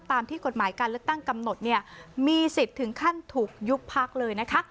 ตามที่กฎหมายการเลือกตั้งกำหนดเนี่ยมีสิทธิ์ถึงขั้นถูกยุบพักเลยนะคะ